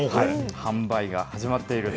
販売が始まっていると。